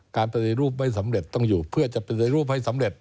ปฏิรูปไม่สำเร็จต้องอยู่เพื่อจะปฏิรูปให้สำเร็จ